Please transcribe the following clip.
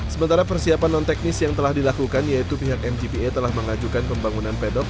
sementara persiapan non teknis yang telah dilakukan yaitu pihak mgpa telah mengajukan pembangunan pedok